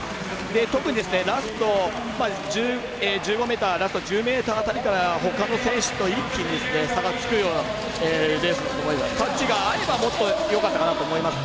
特にラスト１５ｍ１０ｍ辺りからほかの選手と一気に差がつくようなレースだったと思います。